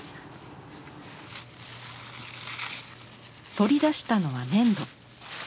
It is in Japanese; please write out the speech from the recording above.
取り出したのは粘土。